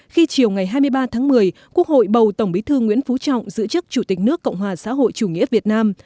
khi chiều ngày hai mươi ba tháng một mươi quốc hội bầu tổng bí thư nguyễn phú trọng giữ chức chủ tịch nước cộng hòa xã hội chủ nghĩa việt nam